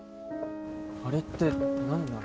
あれって何なの？